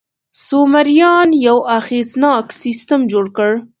سومریان یو اغېزناک سیستم جوړ کړ.